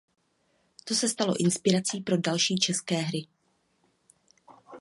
To se stalo inspirací pro další české hry.